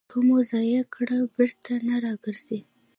که مو ضایع کړ، بېرته نه راګرځي.